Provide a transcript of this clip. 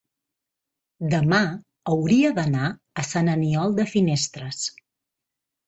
demà hauria d'anar a Sant Aniol de Finestres.